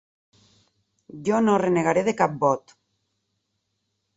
Jo no renegaré de cap vot.